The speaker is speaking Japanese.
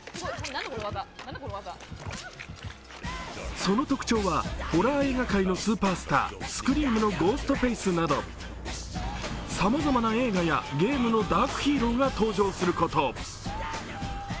その特徴はホラー映画界のスーパースター、「スクリーム」のゴーストフェイスなど、さまざまな映画やゲームのダークヒーローが登場すること。